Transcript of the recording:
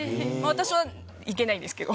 私はいけないんですけど。